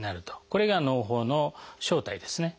これがのう胞の正体ですね。